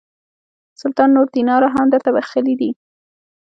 سلطان نور دیناره هم درته بخښلي دي.